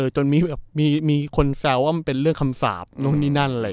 จนมีคนแซวว่ามันเป็นเรื่องคำสาปนู่นนี่นั่นอะไร